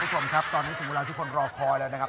ทุกคนครับตอนนี้ถึงเวลาที่ทุกคนรอคอยแล้วนะครับ